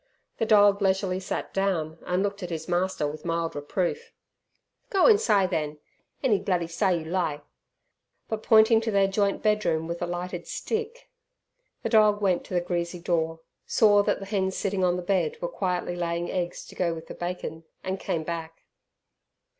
The dog leisurely sat down and looked at his master with mild reproof. "Go insi' then, any bloo'y si' you li'!" but pointing to their joint bedroom with the lighted stick. The dog went to the greasy door, saw that the hens sitting on the bed were quietly laying eggs to go with the bacon, and came back.